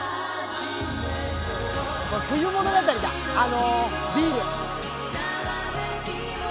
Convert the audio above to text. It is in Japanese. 冬物語だビール。